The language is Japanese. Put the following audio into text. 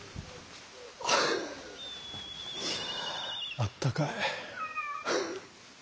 あったかい。